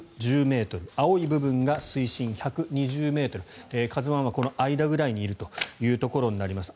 青い部分が水深１２０ｍ「ＫＡＺＵ１」はこの間ぐらいにいるというところになります。